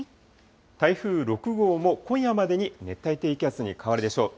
台風６号も今夜までに熱帯低気圧に変わるでしょう。